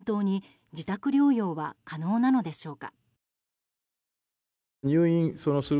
本当に自宅療養は可能なのでしょうか。